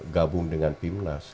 gabung dengan timnas